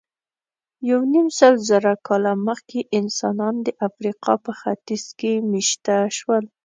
یونیمسلزره کاله مخکې انسانان د افریقا په ختیځ کې مېشته شول.